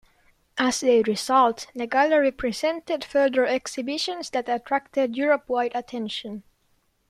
As a result, the gallery presented further exhibitions that attracted Europe-wide attention.